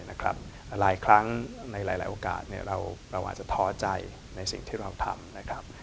หลายครั้งในหลายโอกาสเราอาจจะท้อใจในสิ่งที่เราทำนะครับ